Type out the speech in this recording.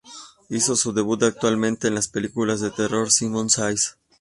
Hizo su debut actuando en la película de terror "Simon Says".